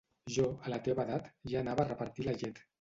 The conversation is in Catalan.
Jo, a la teva edat, ja anava a repartir la llet.